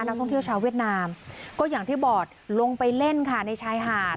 นักท่องเที่ยวชาวเวียดนามก็อย่างที่บอกลงไปเล่นค่ะในชายหาด